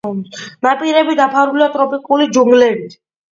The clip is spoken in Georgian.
ნაპირები დაფარულია ტროპიკული ჯუნგლებით.